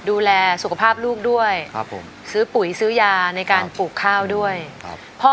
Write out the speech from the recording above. ดูแลสุขภาพลูกด้วยครับผมซื้อปุ๋ยซื้อยาในการปลูกข้าวด้วยครับพ่อ